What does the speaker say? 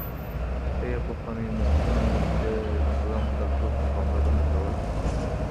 ايا پخوانيو نسلونو د زغم کلتور ته پاملرنه کوله؟